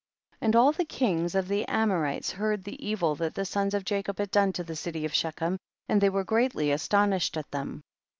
And all the kings of ihe Amor ites heard the evil that the sons of Jacob had done to the city of She chem, and they were greatly aston ished at them.